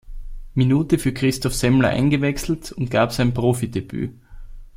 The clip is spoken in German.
Minute für Christoph Semmler eingewechselt und gab sein Profidebüt.